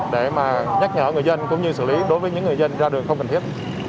để mà nhắc nhở người dân cũng như xử lý đối với những người dân ra đường không cần thiết